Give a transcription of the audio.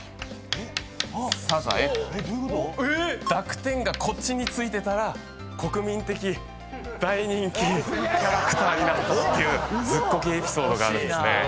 濁点がこっちに付いてたら国民的大人気キャラクターになったっていうずっこけエピソードがあるんです。